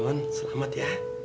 nuan selamat ya